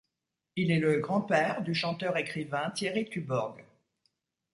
Il est le grand-père du chanteur écrivain Thierry Tuborg.